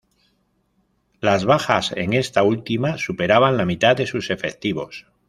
Las bajas en esta última superaban la mitad de sus efectivos.